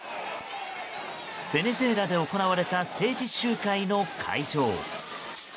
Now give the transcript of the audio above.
ベネズエラで行われた政治集会の会場。